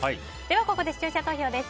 ここで視聴者投票です。